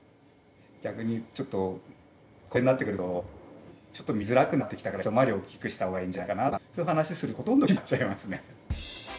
逆にちょっとこれになってくると見づらくなってきたからひと回りおっきくしたほうがいいんじゃないかなとかそういう話するとほとんど決まっちゃいますね。